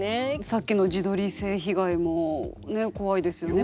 さっきの自撮り性被害もね怖いですよね。